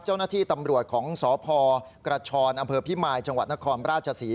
เจ้าหน้าที่ตำรวจของสพกระชรอพิมายจนครราชศรี